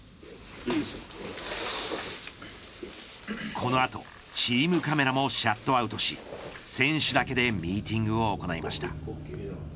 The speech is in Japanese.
この後、チームカメラもシャットアウトし選手だけでミーティングを行いました。